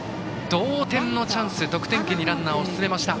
同点のチャンス、得点圏にランナーを進めました。